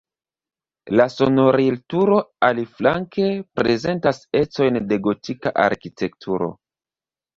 La sonorilturo, aliflanke, prezentas ecojn de gotika arkitekturo.